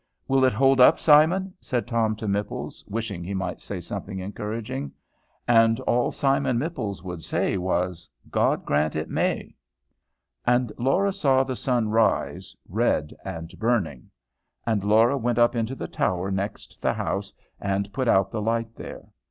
"Will it hold up, Simon?" said Tom to Mipples, wishing he might say something encouraging. And all Simon Mipples would say was, "God grant it may!" And Laura saw the sun rise red and burning. And Laura went up into the tower next the house, and put out the light there.